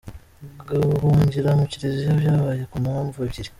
Guhungira mu Kiliziya, byabaye ku mpamvu ebyiri.